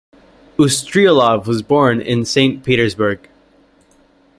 Ustryalov was born in Saint Petersburg.